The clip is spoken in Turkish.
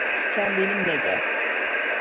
Sen, benimle gel.